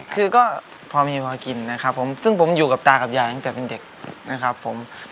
คือก็พอมีพอกินนะครับผมซึ่งผมอยู่กับตากับยายตั้งแต่เป็นเด็กนะครับผม